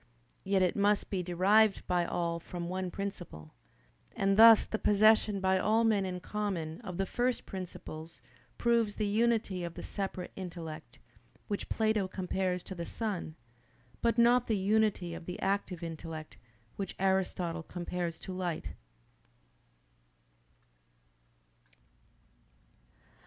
Yet it must be derived by all from one principle. And thus the possession by all men in common of the first principles proves the unity of the separate intellect, which Plato compares to the sun; but not the unity of the active intellect, which Aristotle compares to light.